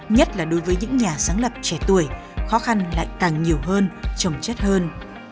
nhất là đối với những nhà sáng lập trẻ tuổi khó khăn lại càng nhiều hơn trồng chất hơn